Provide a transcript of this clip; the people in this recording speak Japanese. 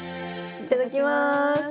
いただきます！